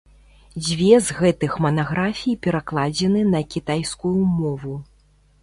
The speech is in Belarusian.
Дзве з гэтых манаграфій перакладзены на кітайскую мову.